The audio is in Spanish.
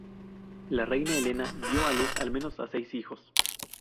La reina Helena dio a luz al menos a seis hijos.